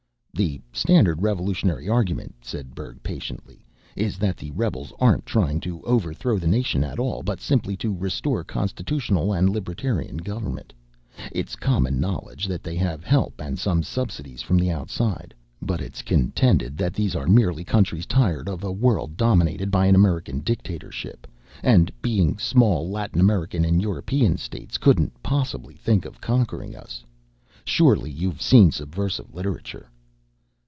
"The standard revolutionary argument," said Berg patiently, "is that the rebels aren't trying to overthrow the nation at all, but simply to restore constitutional and libertarian government. It's common knowledge that they have help and some subsidies from outside, but it's contended that these are merely countries tired of a world dominated by an American dictatorship and, being small Latin American and European states, couldn't possibly think of conquering us. Surely you've seen subversive literature."